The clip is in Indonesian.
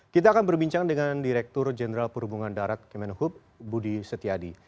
kita akan berbincang dengan direktur jenderal perhubungan darat kemenhub budi setiadi